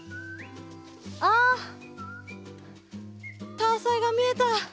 タアサイが見えた！